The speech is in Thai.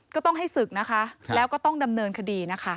ก็ต้องให้ศึกนะคะแล้วก็ต้องดำเนินคดีนะคะ